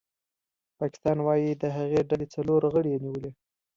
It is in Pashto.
پاکستان وايي د هغې ډلې څلور غړي یې نیولي